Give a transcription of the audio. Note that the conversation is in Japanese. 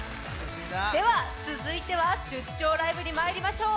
では、続いては出張ライブにまいりましょう。